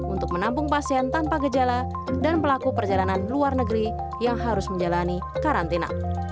untuk menampung pasien tanpa gejala dan pelaku perjalanan luar negeri yang harus menjalani karantina